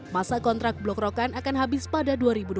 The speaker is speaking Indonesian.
masa kontrak blok rokan akan habis pada dua ribu dua puluh